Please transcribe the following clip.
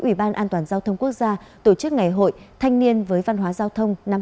ủy ban an toàn giao thông quốc gia tổ chức ngày hội thanh niên với văn hóa giao thông năm hai nghìn hai mươi